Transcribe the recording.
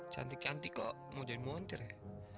cantik cantik kok mau jadi montir ya